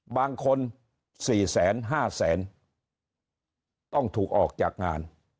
บางคน๔แสน๕แสนต้องถูกออกจากงาน